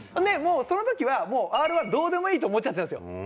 その時はもうＲ−１どうでもいいと思っちゃってたんですよ。